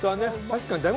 確かに。